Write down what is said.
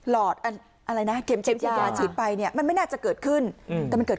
ลอดวางยาจีบไปเนี่ยมันไม่น่าจะเกิดขึ้นแต่มันเกิด